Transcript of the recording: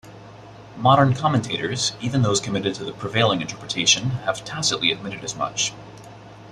Modern commentators, even those committed to the prevailing interpretation, have tacitly admitted as much.